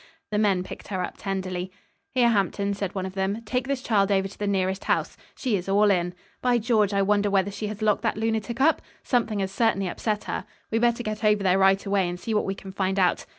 The men picked her up tenderly. "Here, Hampton," said one of them, "take this child over to the nearest house. She is all in. By George, I wonder whether she has locked that lunatic up? Something has certainly upset her. We'd better get over there right away and see what we can find out."